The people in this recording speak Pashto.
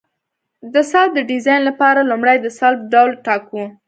د سلب د ډیزاین لپاره لومړی د سلب ډول ټاکو